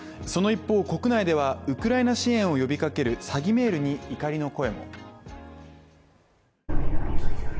その一方、国内ではウクライナ支援を呼びかける詐欺メールに怒りの声も。